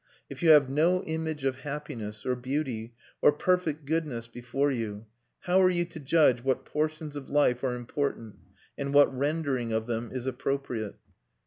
If you have no image of happiness or beauty or perfect goodness before you, how are you to judge what portions of life are important, and what rendering of them is appropriate?